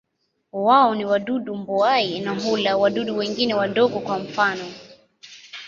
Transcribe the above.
Wao ni wadudu mbuai na hula wadudu wengine wadogo, kwa mfano.